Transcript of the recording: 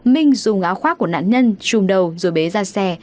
minh dùng áo khoác của nạn nhân chùm đầu rồi bế ra xe